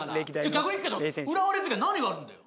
逆に聞くけど浦和レッズ以外何があるんだよ。